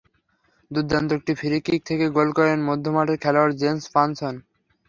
দুর্দান্ত একটি free kick থেকে গোল করেন মধ্য মাঠের খেলোয়াড় জেসন পানচন।